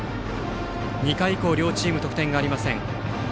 ２回以降両チーム得点がありません。